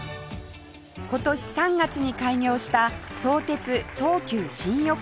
今年３月に開業した相鉄・東急新横浜線